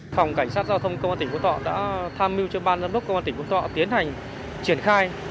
phòng cảnh sát giao thông công an tp thỏ đã tham mưu cho ban giám đốc công an tp thỏ tiến hành triển khai